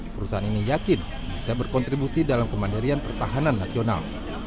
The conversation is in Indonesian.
perusahaan ini yakin bisa berkontribusi dalam kemandirian pertahanan nasional